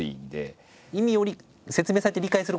意味を説明されて理解すること自体は。